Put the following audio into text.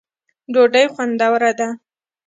ډوډۍ خوندوره ده